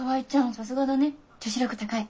さすがだね女子力高い。